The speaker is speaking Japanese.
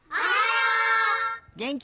げんき？